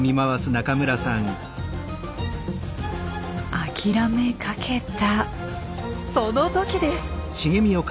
諦めかけたその時です。